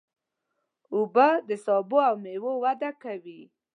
اوبه د سبو او مېوو وده کوي.